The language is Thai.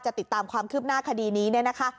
ติดตามความคืบหน้าคดีนี้เนี่ยนะคะ